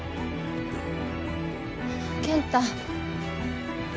健太。